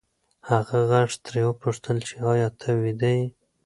هغه غږ ترې وپوښتل چې ایا ته ویده یې؟